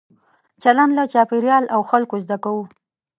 چلند له چاپېریال او خلکو زده کوو.